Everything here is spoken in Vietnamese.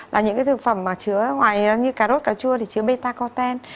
là những cái thực phẩm mà chứa ngoài như cà rốt cà chua thì chứa beta corten